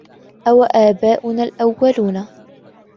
أَوَآبَاؤُنَا الْأَوَّلُونَ